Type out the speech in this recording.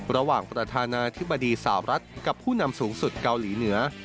ระหว่างประธานาธิบดีสาวรัฐกับผู้นำสูงสุดเกาหลีเหนือ